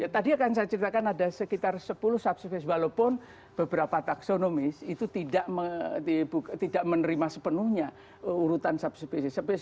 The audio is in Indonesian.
ya tadi akan saya ceritakan ada sekitar sepuluh sub species walaupun beberapa taksonomis itu tidak menerima sepenuhnya urutan sub species